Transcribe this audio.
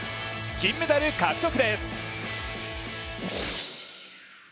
銀メダル獲得です。